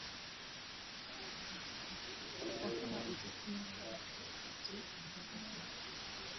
Wafuna ansinga kati onjagaza ki?